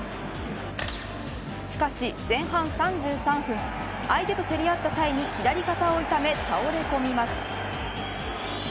しかし前半３３分相手と競り合った際に左肩を痛め、倒れこみます。